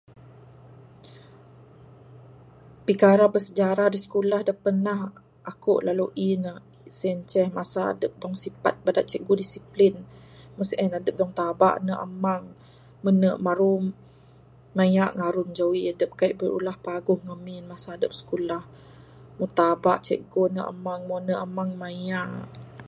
Pikara bersejarah da pernah aku lalui ne sien ceh masa adep dog sipat bada cikgu disiplin mbuh sien adep dog tabak ande amang mene maru mayak ngarun jawi adep kaii birulah paguh ngamin masa adep sikulah dog tabak cikgu ande amang mbuh ande amang mayak.